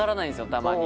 たまに。